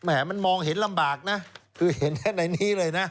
มันมองเห็นลำบากนะคือเห็นแค่ในนี้เลยนะ